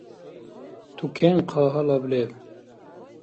Тукен хъа гьалаб леб.